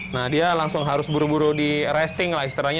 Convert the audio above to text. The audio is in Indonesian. nah dia langsung harus buru buru di rasting lah istilahnya